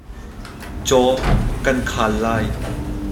Caw kan khaal lai.